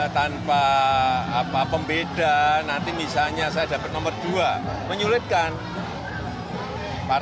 semuanya akan keluar